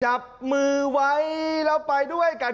จับมือไว้แล้วไปด้วยกัน